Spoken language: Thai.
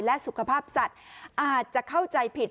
และสุขภาพสัตว์อาจจะเข้าใจผิด